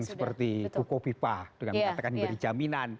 dan seperti koko pipa dengan mengatakan beri jaminan